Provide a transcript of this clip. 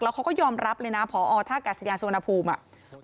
แล้วเขาก็ยอมรับเลยนะผอท่ากาศิยาสุวรรณภูมิ